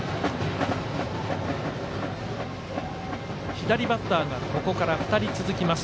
左バッターがここから２人続きます。